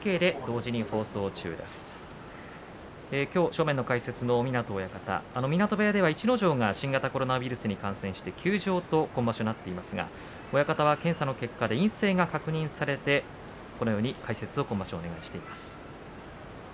正面の解説は湊親方湊部屋では逸ノ城が新型コロナウイルスに感染して休場となっていますが親方は検査の結果陰性が確認されて解説をお願いしています。